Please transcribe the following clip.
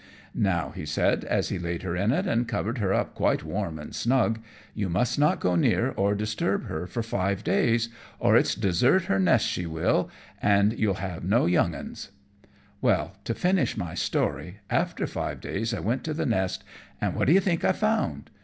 "Now," he said, as he laid her in it, and covered her up quite warm and snug, "you must not go near or disturb her for five days, or it's desert her nest she will, and you'll have no younguns." Well, to finish with my story, after five days I went to the nest, and what do you think I found?